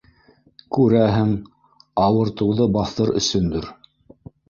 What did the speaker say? Күрәһең, ауыртыуҙы баҫыр өсөндөр.